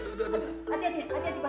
aduh aduh aduh